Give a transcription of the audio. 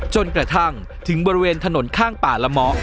จนกระทั่งถึงบริเวณถนนข้างป่าละเมาะ